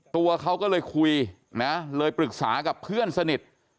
ตัวเขาก็เลยคุยนะเลยปรึกษากับเพื่อนสนิท